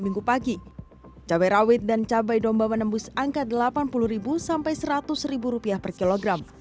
minggu pagi cabai rawit dan cabai domba menembus angka delapan puluh sampai seratus rupiah per kilogram